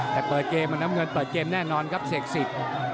แต่เปิดเกมน้ำเงินเปิดเกมแน่นอนครับเสกสิทธิ์